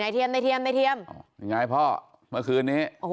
นายเทียมนายเทียมนายเทียมอย่างไรพ่อเมื่อคืนนี้โอ้โห